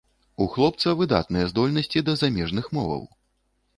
У хлопца выдатныя здольнасці да замежных моваў.